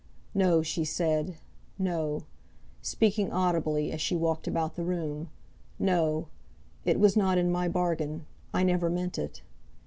"No," she said, "no," speaking audibly, as she walked about the room; "no; it was not in my bargain; I never meant it."